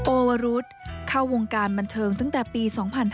โอวรุษเข้าวงการบันเทิงตั้งแต่ปี๒๕๕๙